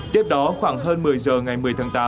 tiếp đó khoảng hơn một mươi giờ ngày một mươi tháng tám